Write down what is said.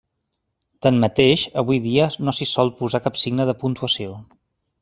Tanmateix, avui dia no s'hi sol posar cap signe de puntuació.